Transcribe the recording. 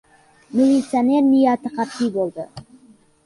Militsioner niyati qat’iy bo‘ldi.